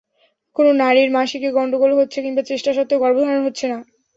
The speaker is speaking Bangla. কোনো নারীর মাসিকে গন্ডগোল হচ্ছে, কিংবা চেষ্টা সত্ত্বেও গর্ভধারণ হচ্ছে না।